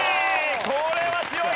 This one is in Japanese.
これは強い！